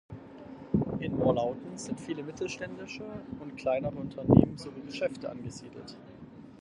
In Morlautern sind viele mittelständische und kleinere Unternehmen sowie Geschäfte angesiedelt.